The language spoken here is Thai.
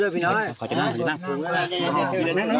ใช่ฝนนึงตกมาก